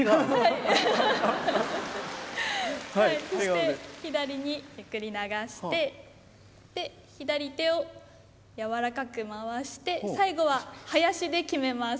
そして左にゆっくり流してで左手を柔らかく回して最後は囃子で決めます。